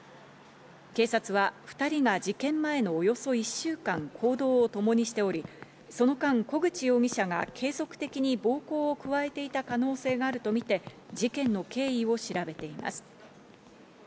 警察は２人が事件前のおよそ１週間、行動を共にしており、その間、小口容疑者が継続的に暴行を加えていた可能性があるとみて事件の経緯を調べています。